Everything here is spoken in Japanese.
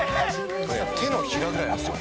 手のひらぐらいですよ。